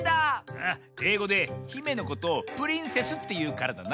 あっえいごで「ひめ」のことを「プリンセス」っていうからだな。